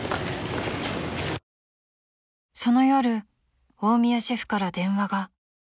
［その夜大宮シェフから電話が］